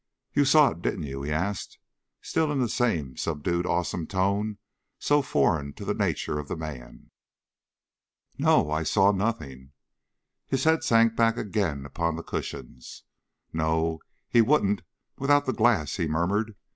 "You saw it, didn't you?" he asked, still in the same subdued awesome tone so foreign to the nature of the man. "No, I saw nothing." His head sank back again upon the cushions. "No, he wouldn't without the glass," he murmured.